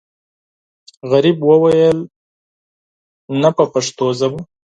غریب وویل نه په پښتو ژبه.